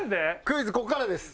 クイズここからです。